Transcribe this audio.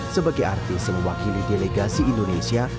sebagai artis yang mewakili delegasi indonesia